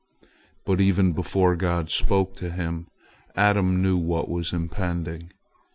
But even before God spoke to him, Adam knew what was impending.